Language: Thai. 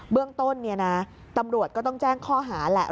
เรื่องต้นตำรวจก็ต้องแจ้งข้อหาแหละ